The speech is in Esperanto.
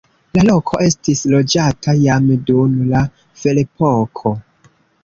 La loko estis loĝata jam dun la ferepoko.